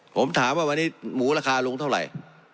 ผมถามว่าวันนี้หมูราคาลงเท่าไหร่